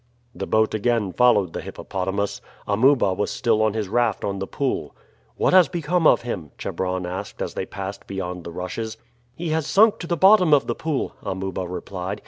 The boat again followed the hippopotamus. Amuba was still on his raft on the pool. "What has become of him?" Chebron asked as they passed beyond the rushes. "He has sunk to the bottom of the pool," Amuba replied.